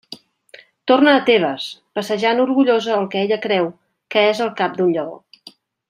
Torna a Tebes, passejant orgullosa el que ella creu que és el cap d'un lleó.